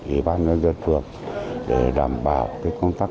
ủy ban nhân dân phường để đảm bảo công tác